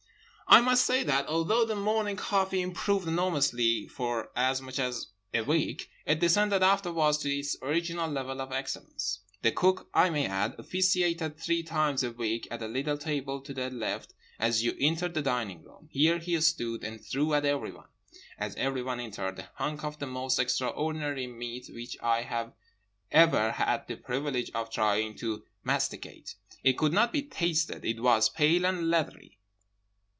I must say that, although the morning coffee improved enormously for as much as a week, it descended afterwards to its original level of excellence. The Cook, I may add, officiated three times a week at a little table to the left as you entered the dining room. Here he stood, and threw at everyone (as everyone entered) a hunk of the most extraordinary meat which I have ever had the privilege of trying to masticate—it could not be tasted. It was pale and leathery.